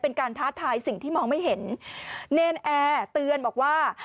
ท้าทายสิ่งที่มองไม่เห็นเนรนแอร์เตือนบอกว่า